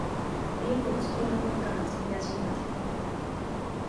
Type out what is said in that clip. Иҟоу цқьа еилаҳкаарц, ҳиацәажәарц ҳҭахын.